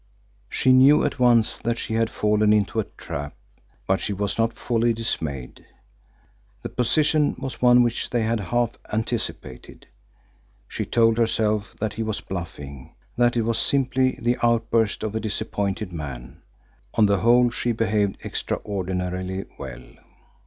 She knew at once that she had fallen into a trap, but she was not wholly dismayed. The position was one which they had half anticipated. She told herself that he was bluffing, that it was simply the outburst of a disappointed man. On the whole, she behaved extraordinarily well.